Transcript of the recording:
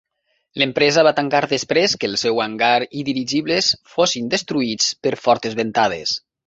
L'empresa va tancar després que el seu hangar i dirigibles fossin destruïts per fortes ventades.